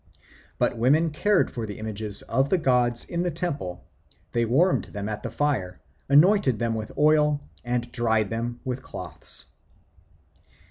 But women cared for the images of the gods in the temple; they warmed them at the fire, anointed them with oil, and dried them with cloths.